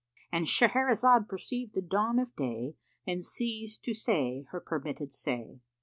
—And Shahrazad perceived the dawn of day and ceased to say her permitted say.